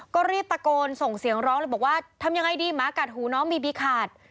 ก็รีบตะโกนส่งเสียงร้องเลยบอกว่าทำยังไงดีหมากัดหูน้องมีบีขาด